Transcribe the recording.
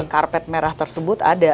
karpet merah tersebut ada